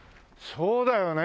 そうだよねえ。